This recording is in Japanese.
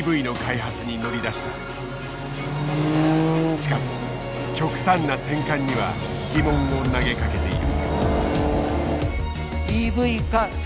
しかし極端な転換には疑問を投げかけている。